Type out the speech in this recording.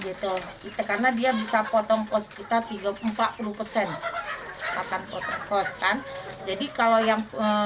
gitu kita karena dia bisa potong kos kita tiga empat puluh persen pakan kotor khas khan jadi kalau yang